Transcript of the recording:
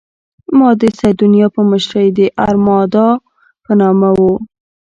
دا د سیدونیا په مشرۍ د ارمادا په نامه وه.